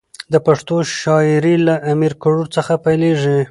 د پښتو شاعري له امیر ګروړ څخه پیلېږي.